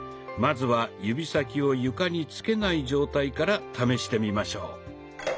まずは指先を床につけない状態から試してみましょう。